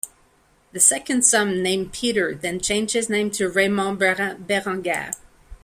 The second son named Peter then changed his name to Raymond Berenguer.